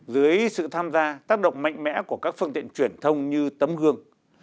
dưới sự tham gia tác động mạnh mẽ của các phương tiện truyền thông như tấm gương